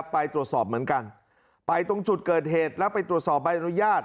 ไปตรวจสอบเหมือนกันไปตรงจุดเกิดเหตุแล้วไปตรวจสอบใบอนุญาต